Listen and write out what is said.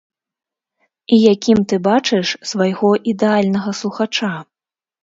І якім ты бачыш свайго ідэальнага слухача?